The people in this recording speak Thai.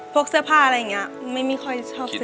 พกเสื้อผ้าอะไรอย่างเงี้ยไม่มีค่อยชอบซื้อ